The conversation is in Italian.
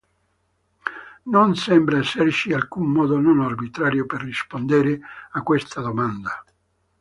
Non sembra esserci alcun modo non arbitrario per rispondere a questa domanda.